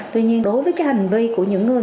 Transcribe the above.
tuy nhiên đối với cái hành vi của những người